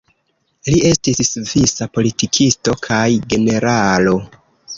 Li estis svisa politikisto kaj generalo.